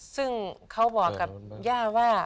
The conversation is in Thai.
ซึ่งเขาบอกกับย่าว่า